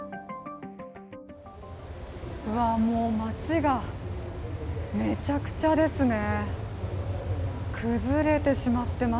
うわーもう町がめちゃくちゃですね。